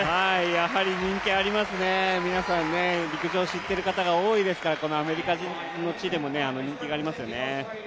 やはり人気がありますね、やはり皆さん陸上を知っている人が多いですから、このアメリカの地でも人気がありますよね。